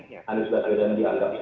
ganjar diantar simpati bagian dari